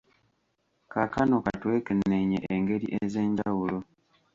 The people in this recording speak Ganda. Kaakano ka twekeneenye engeri ez’enjawulo